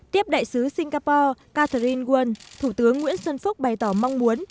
tiếp đại sứ singapore catherine won thủ tướng nguyễn xuân phúc bày tỏ mong muốn